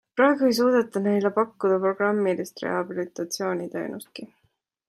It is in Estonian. Praegu ei suudeta neile pakkuda programmilist rehabilitatsiooniteenustki.